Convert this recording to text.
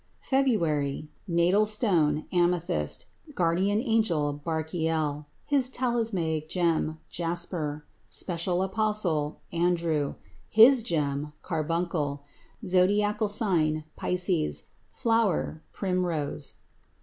FEBRUARY Natal stone Amethyst. Guardian angel Barchiel. His talismanic gem Jasper. Special apostle Andrew. His gem Carbuncle. Zodiacal sign Pisces. Flower Primrose.